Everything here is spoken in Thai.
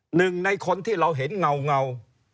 หนึ่งในคนที่เราเห็นเงา